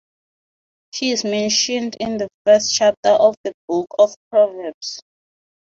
She is mentioned in the first chapter of the Book of Proverbs.